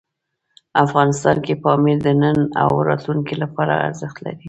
افغانستان کې پامیر د نن او راتلونکي لپاره ارزښت لري.